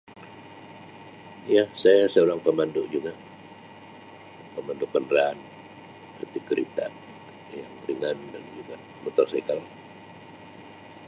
Ya saya seorang pemandu juga , pemandu kenderaan itu kereta ya, dengan juga motorsikal.